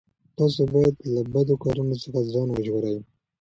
تاسو باید له بدو کارونو څخه ځان وژغورئ.